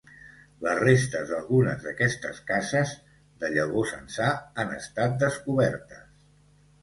Les restes d'algunes d'aquestes cases de llavors ençà han estat descobertes.